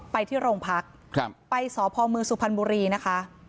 ไปที่โรงพักไปสพมสุพรรณบุรีนะคะ